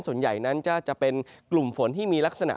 ส่วนใหญ่นั้นจะเป็นกลุ่มฝนที่มีลักษณะ